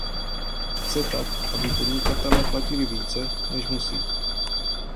Chce tak, aby podnikatelé platili více, než musí.